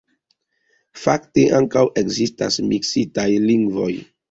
Fakte ankaŭ ekzistas miksitaj lingvoj.